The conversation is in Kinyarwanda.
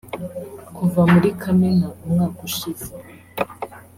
Kuva muri Kamena umwaka ushize